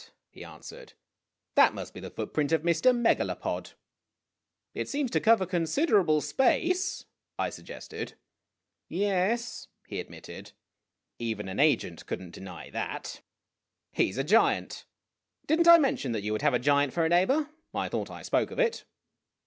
he answered. "That must be the footprint of Mr. Megalopocl." ' It seems to cover considerable space," I suggested. " Yes," he admitted. Even an agent could n't deny that. " He 's 189 190 IMAGINOTIONS a giant. Did n't I mention that you would have a giant for a neighbor ? I thought I spoke of it."